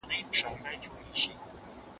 که ته د مطالعې عادت ولرې نو هېڅکله به یوازې نه یې.